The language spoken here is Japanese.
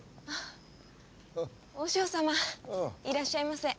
和尚様いらっしゃいませ。